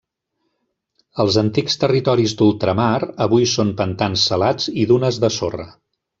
Els antics territoris d'ultramar avui són pantans salats i dunes de sorra.